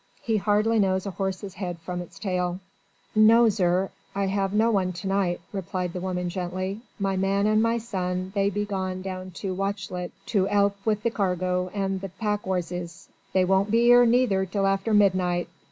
"He hardly knows a horse's head from its tail." "No, zir, I've no one to night," replied the woman gently. "My man and my son they be gone down to Watchet to 'elp with the cargo and the pack 'orzes. They won't be 'ere neither till after midnight.